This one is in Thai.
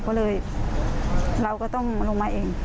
ก็เลยเราก็ต้องลงมาเอง